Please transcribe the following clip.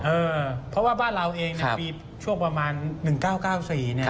เออเพราะว่าบ้านเราเองในปีช่วงประมาณ๑๙๙๔เนี่ย